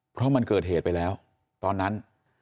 เพราะมันเกิดเหตุไปแล้วตอนนั้น